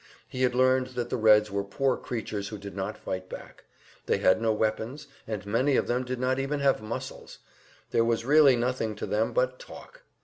He had learned that the Reds were poor creatures who did not fight back; they had no weapons, and many of them did not even have muscles; there was really nothing to them but talk.